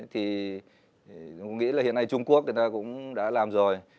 thì tôi nghĩ là hiện nay trung quốc người ta cũng đã làm rồi